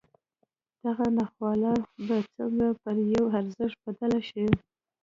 دغه ناخواله به څنګه پر يوه ارزښت بدله شي.